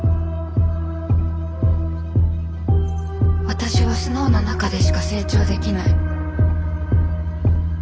私はスノウの中でしか成長できない。